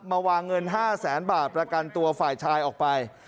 มาวางเงิน๕แสนบาทประกันตัวฝ่ายชายออกไป